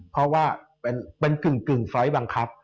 เพราะว่าเป็นกึ่งไฟล์บังคับ